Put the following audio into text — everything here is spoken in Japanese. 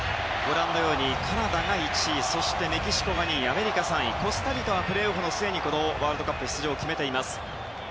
カナダが１位、メキシコ２位アメリカ、３位コスタリカはプレーオフの末にワールドカップ出場を決めています。